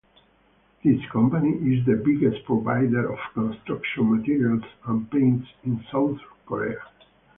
This company is the biggest provider of construction materials and paints in South Korea.